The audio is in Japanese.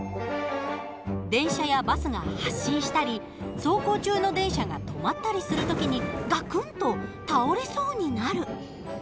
電車やバスが発進したり走行中の電車が止まったりする時にガクンと倒れそうになる。